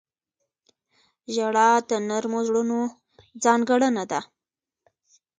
• ژړا د نرمو زړونو ځانګړنه ده.